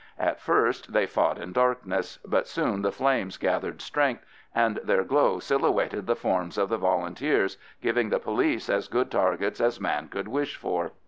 At first they fought in darkness; but soon the flames gathered strength, and their glow silhouetted the forms of the Volunteers, giving the police as good targets as man could wish for.